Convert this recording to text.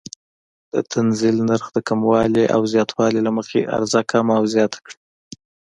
د تنزیل نرخ د کموالي او زیاتوالي له مخې عرضه کمه او زیاته کړي.